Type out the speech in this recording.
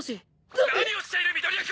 何をしている緑谷君！